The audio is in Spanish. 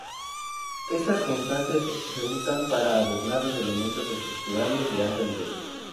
Estas constantes se usan para adornar los elementos estructurales de alto nivel.